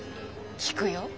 聞くよ。